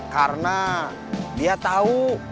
karena dia tahu